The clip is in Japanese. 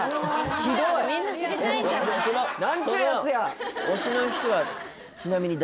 ひどい何ちゅうヤツや！